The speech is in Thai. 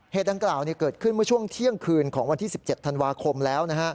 ดังกล่าวเกิดขึ้นเมื่อช่วงเที่ยงคืนของวันที่๑๗ธันวาคมแล้ว